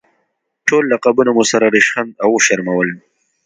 ټول لقبونه مو سره ریشخند او وشرمول.